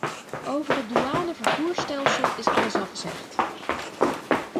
Over het douanevervoersstelsel is alles al gezegd.